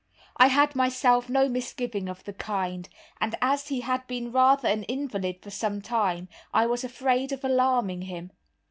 I had myself no misgiving of the kind, and as he had been rather an invalid for some time, I was afraid of alarming him.